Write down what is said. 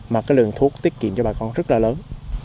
mà cái lượng thuốc tiết kiệm cho bà con rất là lớn